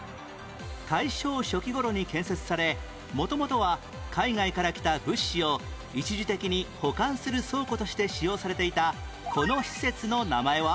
大正初期頃に建設され元々は海外から来た物資を一時的に保管する倉庫として使用されていたこの施設の名前は？